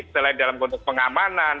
selain dalam konteks pengamanan